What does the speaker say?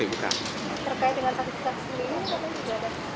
terkait dengan saksi saksi ini